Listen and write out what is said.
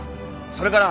それから。